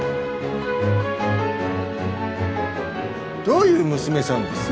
どういう娘さんです？